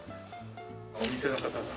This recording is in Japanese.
お店の方が。